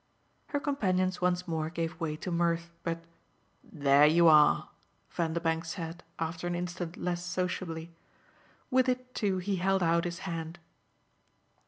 Her companions once more gave way to mirth, but "There you are!" Vanderbank said after an instant less sociably. With it too he held out his hand.